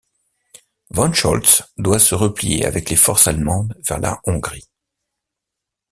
Von Scholtz doit se replier avec les forces allemandes vers la Hongrie.